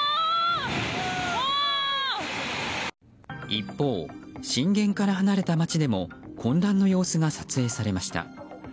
一方、震源から離れた街でも混乱の様子が撮影されました。